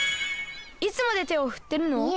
いつまでてをふってるの？